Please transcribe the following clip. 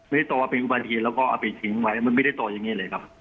ต่อว่าเป็นอุบัติเหตุแล้วก็เอาไปทิ้งไว้มันไม่ได้ต่ออย่างนี้เลยครับ